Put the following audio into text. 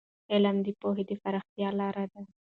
علم د پوهې د پراختیا لار ده.